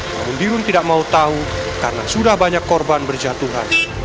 namun dirun tidak mau tahu karena sudah banyak korban berjatuhan